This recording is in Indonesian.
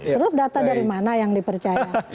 terus data dari mana yang dipercaya